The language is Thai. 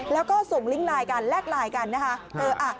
แล้วก็ส่งลิงก์ไลน์กันแลกไลน์กันนะคะ